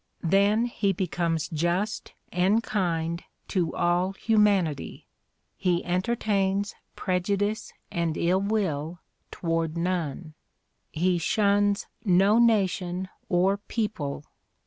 Then he becomes just and kind to all humanity ; he enter tains prejudice and ill will toward none; he shuns no nation or people.